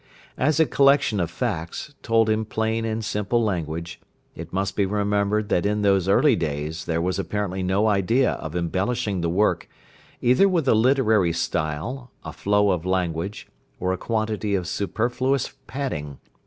As a collection of facts, told in plain and simple language, it must be remembered that in those early days there was apparently no idea of embellishing the work, either with a literary style, a flow of language, or a quantity of superfluous padding.